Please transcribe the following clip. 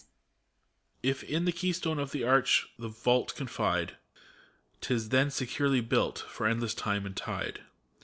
If in the keystone of the arch the vault confide, T is then securely built, for endless time and tide.